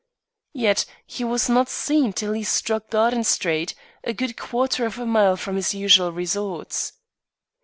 Yet he was not seen till he struck Garden Street, a good quarter of a mile from his usual resorts."